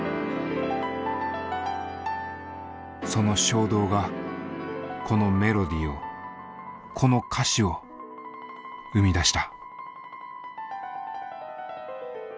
その衝動がこのメロディーをこの歌詞を生み出した。